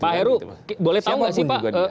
pak heru boleh tahu nggak sih